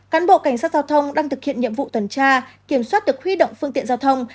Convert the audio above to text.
cán bộ cảnh sát giao thông đang thực hiện nhiệm vụ tuần tra kiểm soát được huy động phương tiện giao thông